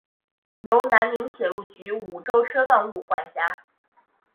由南宁铁路局梧州车务段管辖。